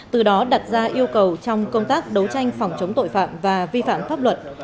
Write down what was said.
từ đó đặt ra yêu cầu trong công tác đấu tranh phòng chống tội phạm và vi phạm pháp luật